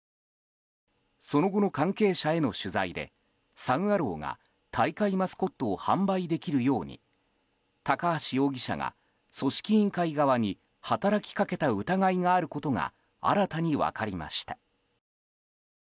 その後の関係者への取材でサン・アローが大会マスコットを販売できるように高橋容疑者が組織委員会側に働きかけた疑いがあることが新たに分かりました。